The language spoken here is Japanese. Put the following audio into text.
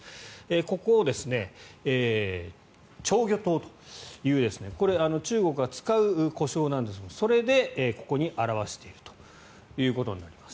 ここを釣魚島というこれ、中国が使う呼称なんですがそれでここに表しているということになります。